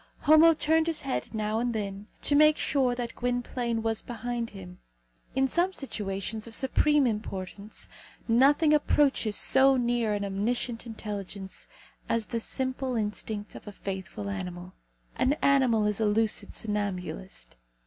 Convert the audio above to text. Homo turned his head now and then, to make sure that Gwynplaine was behind him. In some situations of supreme importance nothing approaches so near an omniscient intelligence as the simple instinct of a faithful animal. An animal is a lucid somnambulist.